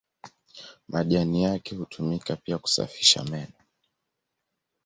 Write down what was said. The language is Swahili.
Majani yake hutumika pia kusafisha meno.